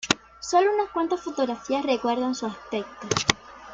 Sólo unas cuantas fotografías recuerdan su aspecto.